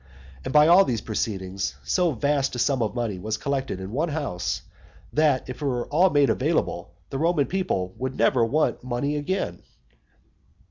And by all these proceedings so vast a sum of money was collected in one house, that if it were all made available, the Roman people would never want money again.